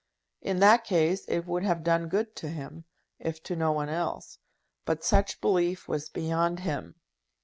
In that case it would have done good to him, if to no one else. But such belief was beyond him.